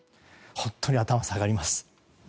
本当に頭が下がります。